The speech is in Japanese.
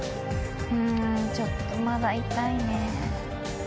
うんちょっとまだ痛いね。